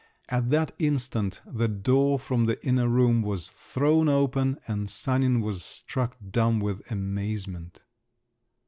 At that instant the door from an inner room was thrown open, and Sanin was struck dumb with amazement.